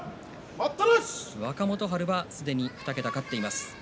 若元春はすでに２桁勝っています。